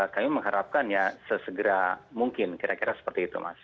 kami mengharapkan ya sesegera mungkin kira kira seperti itu mas